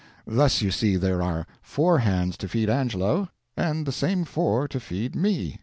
Thus, you see there are four hands to feed Angelo, and the same four to feed me.